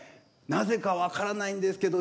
なぜか分からないんですけど